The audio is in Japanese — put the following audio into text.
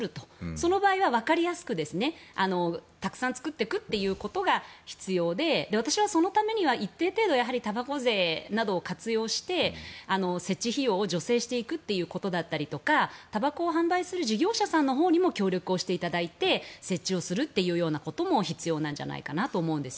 その場合はわかりやすくたくさん作っていくことが重要で私はそのためには一定程度たばこ税などを活用して設置費用を助成していくことだったりたばこを販売する事業者さんのほうにも協力していただいて設置することも必要じゃないかと思います。